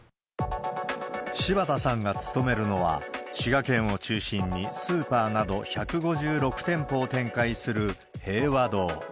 柴田さんが勤めるのは、滋賀県を中心に、スーパーなど１５６店舗を展開する平和堂。